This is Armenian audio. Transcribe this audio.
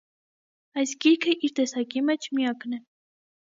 Այս գիրքը իր տեսակի մէջ միակն է։